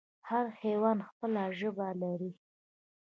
هر حیوان خپله ژبه لري